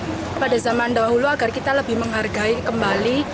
kita pada zaman dahulu agar kita lebih menghargai kembali